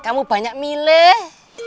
kamu banyak milih